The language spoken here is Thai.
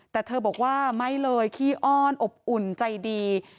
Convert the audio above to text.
แต่เธอบอกว่าไม่เลยขี้อ้อนอบอุ่นใจดี